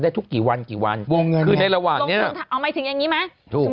อึกอึกอึกอึกอึกอึกอึก